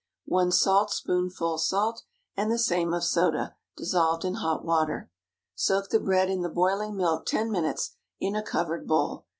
1 saltspoonful salt, and the same of soda, dissolved in hot water. Soak the bread in the boiling milk ten minutes, in a covered bowl.